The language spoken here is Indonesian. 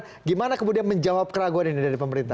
bagaimana kemudian menjawab keraguan ini dari pemerintah